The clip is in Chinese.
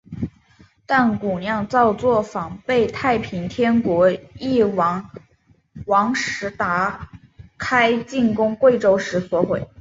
但古酿造作房被太平天国翼王石达开进攻贵州时所毁。